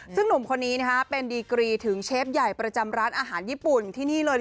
ซึ่งหนุ่มคนนี้เป็นดีกรีถึงเชฟใหญ่ประจำร้านอาหารญี่ปุ่นที่นี่เลย